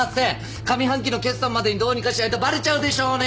上半期の決算までにどうにかしないとバレちゃうでしょうね！